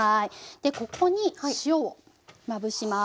でここに塩をまぶします。